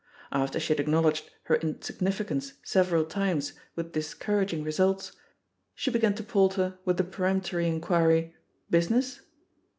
After she had acknowledged her in significance several times with discouraging re sults, she began to palter with the peremptory inquiry, "Business?"